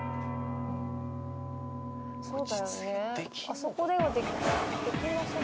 あそこではできなさそう」